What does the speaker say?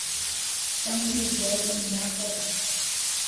São José do Inhacorá